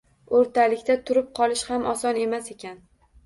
O‘rtalikda turib qolish ham oson emas ekan